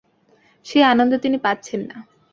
সেই আনন্দ তিনি পাচ্ছেন না।